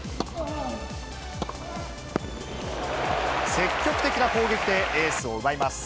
積極的な攻撃でエースを奪います。